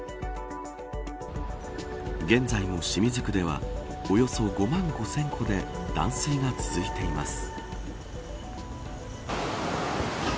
現在も清水区ではおよそ５万５０００戸で断水が続いています。